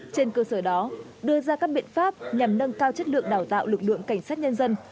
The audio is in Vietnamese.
trên cơ sở đó đưa ra các biện pháp nhằm nâng cao chất lượng đào tạo lực lượng cảnh sát nhân dân